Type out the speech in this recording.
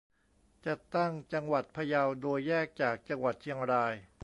จัดตั้งจังหวัดพะเยา โดยแยกจากจังหวัดเชียงราย